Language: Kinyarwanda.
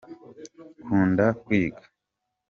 Kunda kwiga.